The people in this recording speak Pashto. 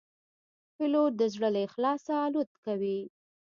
پیلوټ د زړه له اخلاصه الوت کوي.